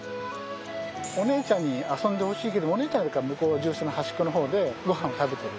お姉ちゃんに遊んでほしいけどお姉ちゃんは獣舎の端っこの方でごはんを食べている。